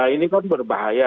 ini kan berbahaya